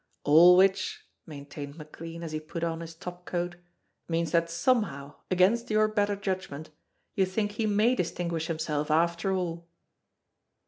"All which," maintained McLean, as he put on his top coat, "means that somehow, against your better judgment, you think he may distinguish himself after all."